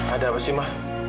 ada apa sih ma